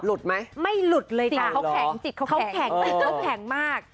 หลุดไหมสิ่งเขาแข็งจิตเขาแข็งไม่หลุดเลยค่ะเขาแข็งมาก